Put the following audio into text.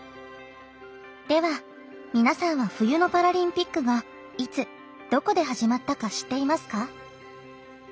では、皆さんは冬のパラリンピックがいつ、どこで始まったか知っていますか？